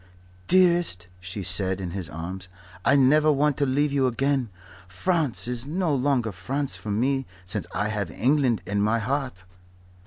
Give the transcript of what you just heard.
"Dearest," she said, in his arms, "I never want to leave you again. France is no longer France for me since I have England in my heart."